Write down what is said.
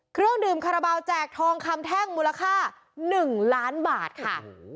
เครื่องดื่มคาราบาลแจกทองคำแท่งมูลค่า๑ล้านบาทค่ะ